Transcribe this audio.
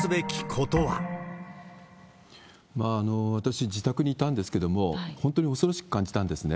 私、自宅にいたんですけれども、本当に恐ろしく感じたんですね。